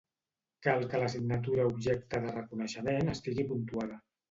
Cal que l'assignatura objecte de reconeixement estigui puntuada.